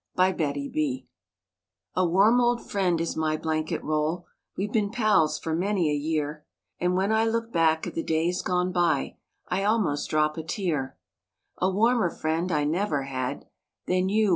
*MY BLANKET ROLL* A warm old friend is my blanket roll We've been pals for many a year; And when I look back at the days gone by I almost drop a tear. A warmer friend I never had Than you!